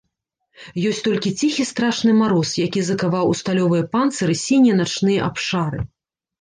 Ёсць толькі ціхі страшны мароз, які закаваў у сталёвыя панцыры сінія начныя абшары.